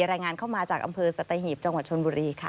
รายงานเข้ามาจากอำเภอสัตหีบจังหวัดชนบุรีค่ะ